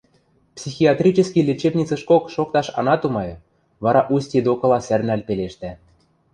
Психиатрический лечебницӹшкок шокташ ана тумайы, — вара Усти докыла сӓрнӓл пелештӓ: